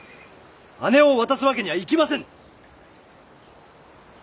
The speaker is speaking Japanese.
姉を渡すわけにはいきませぬ！